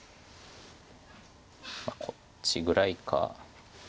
こっちぐらいか。